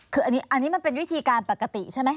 คืออันนี้มันเป็นวิธีการปกติใช่ไหม